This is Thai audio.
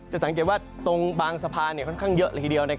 สังเกตว่าตรงบางสะพานค่อนข้างเยอะเลยทีเดียว